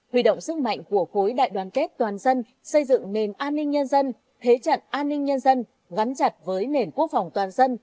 huy động sức mạnh của khối đại đoàn kết toàn dân xây dựng nền an ninh nhân dân thế trận an ninh nhân dân gắn chặt với nền quốc phòng toàn dân